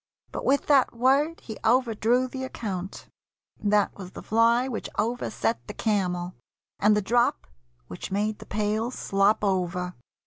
But with that word He overdrew the account. That was the fly Which overset the camel, and the drop Which made the pail slop over.